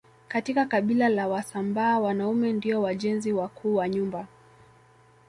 Katika kabila la wasambaa wanaume ndio wajenzi wakuu wa nyumba